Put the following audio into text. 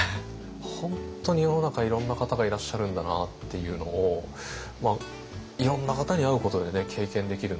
本当に世の中いろんな方がいらっしゃるんだなっていうのをいろんな方に会うことでね経験できるんで。